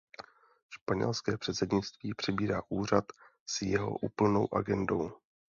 Španělské předsednictví přebírá úřad s jeho úplnou agendou.